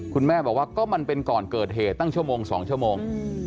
คุณแม่บอกว่าก็มันเป็นก่อนเกิดเหตุตั้งชั่วโมง๒ชั่วโมง